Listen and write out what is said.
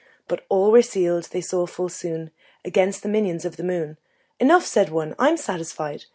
But all were sealed, they saw full soon, Against the minions of the moon. "Enough," said one: "I'm satisfied."